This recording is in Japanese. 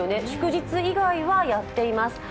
祝日以外はやっています。